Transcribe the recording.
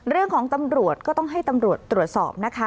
เรื่องของตำรวจก็ต้องให้ตำรวจตรวจสอบนะคะ